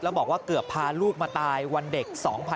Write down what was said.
แล้วบอกว่าเกือบพาลูกมาตายวันเด็ก๒๕๖๒